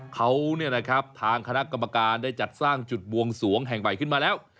เขาทางคณะกรรมการได้จัดสร้างจุดบ่วงสวงแห่งใหม่ขึ้นมาแล้ว